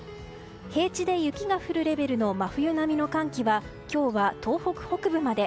平地で雪が降るレベルの真冬並みの寒気は今日は、東北北部まで。